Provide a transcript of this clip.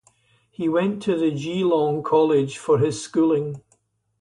He went to the Geelong College for his schooling.